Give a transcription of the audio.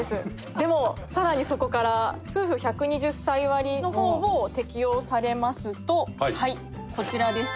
でもさらにそこから夫婦１２０歳割の方を適用されますとはいこちらです。